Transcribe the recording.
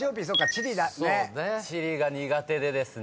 地理が苦手でですね。